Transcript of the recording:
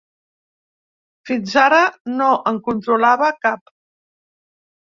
Fins ara no en controlava cap.